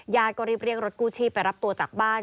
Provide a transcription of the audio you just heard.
ก็รีบเรียกรถกู้ชีพไปรับตัวจากบ้าน